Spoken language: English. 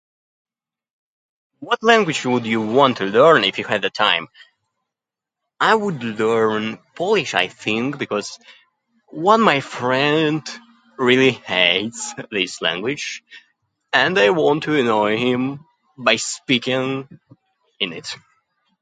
What language would you want to learn if you had the time? I would learn Polish, I think. Because one my friend really hates this language, and I want to annoy him by speaking in it.